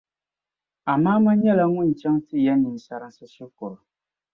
Amaama nyɛla ŋun chaŋ ti ya ninsarinsi shikuru.